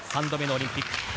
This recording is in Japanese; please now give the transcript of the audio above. ３度目のオリンピック。